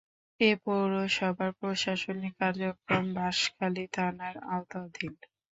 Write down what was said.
এ পৌরসভার প্রশাসনিক কার্যক্রম বাঁশখালী থানার আওতাধীন।